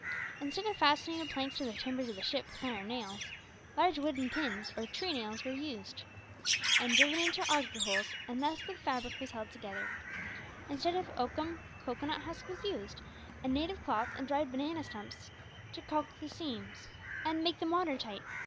Instead of fastening the planks to the timbers of the ship with iron nails, large wooden pins, or "trenails," were used, and driven into augur holes, and thus the fabric was held together. Instead of oakum, cocoanut husk was used, and native cloth and dried banana stumps to caulk the seams, and make them watertight.